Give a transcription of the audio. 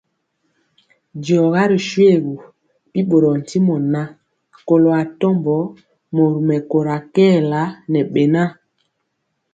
Diɔga ri shoégu, bi ɓorɔɔ ntimɔ ŋan, kɔlo atɔmbɔ mori mɛkóra kɛɛla ŋɛ beŋa.